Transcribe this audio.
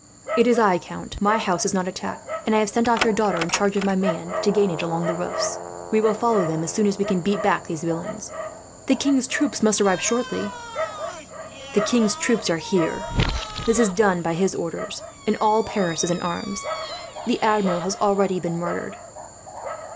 "It is I, count. My house is not attacked, and I have sent off your daughter, in charge of my man, to gain it along the roofs. We will follow them, as soon as we can beat back these villains." "The king's troops must arrive shortly," the count said. "The king's troops are here," Philip said. "This is done by his orders, and all Paris is in arms. The Admiral has already been murdered."